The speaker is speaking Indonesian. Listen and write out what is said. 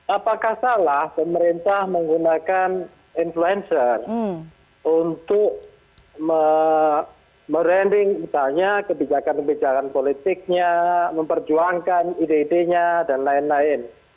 apakah salah pemerintah menggunakan influencer untuk merending misalnya kebijakan kebijakan politiknya memperjuangkan ide idenya dan lain lain